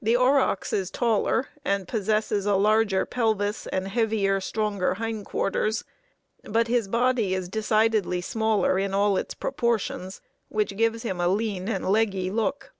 The aurochs is taller, and possesses a larger pelvis and heavier, stronger hindquarters, but his body is decidedly smaller in all its proportions, which gives him a lean and "leggy" look.